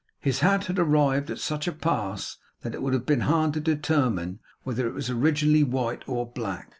His hat had arrived at such a pass that it would have been hard to determine whether it was originally white or black.